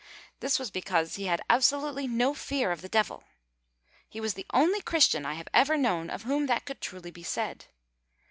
This was because he had absolutely no fear of the Devil. He was the only Christian I have ever known of whom that could be truly said.